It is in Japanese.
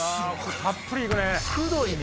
たっぷり行くね。